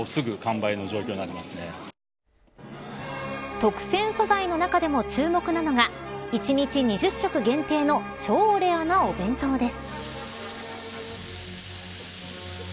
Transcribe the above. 特選素材の中でも注目なのが１日２０食限定の超レアなお弁当です。